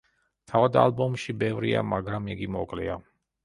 თავად ალბომში ბევრია, მაგრამ იგი მოკლეა.